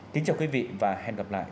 kính chào quý vị và hẹn gặp lại